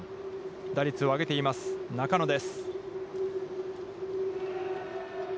打率を上げています、中野です。